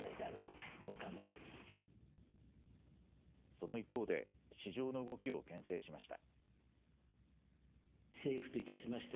その一方で市場の動きをけん制しました。